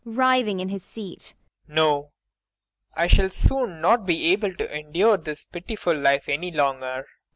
[Writhing in his seat.] No, I shall soon not be able to endure this pitiful life any longer.